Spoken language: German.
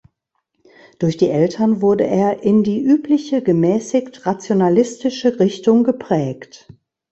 Durch die Eltern wurde er in die übliche gemäßigt rationalistische Richtung geprägt.